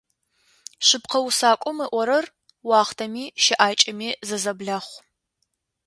Шъыпкъэ усакӏом ыӏорэр - уахътэми щыӏакӏэми зызэблахъу.